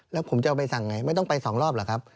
แล้วผมจะเอาใบสั่งไงไม่ต้องไป๒รอบเหรอครับ